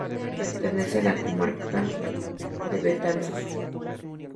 Pertenece a la comarca de Betanzos.